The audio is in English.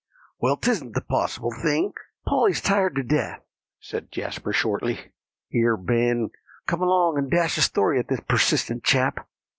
"Well, 'tisn't a possible thing; Polly's tired to death," said Jasper shortly. "Here, Ben, come along, and dash a story at this persistent chap."